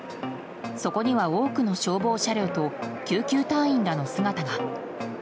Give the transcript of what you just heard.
そこには多くの消防車両と救急隊員らの姿が。